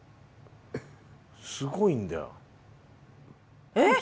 すごいんだよ。えっ！？